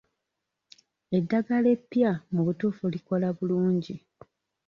Eddagala eppya mu butuufu likola bulungi.